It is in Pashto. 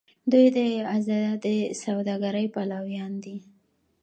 دوی د ازادې سوداګرۍ پلویان دي.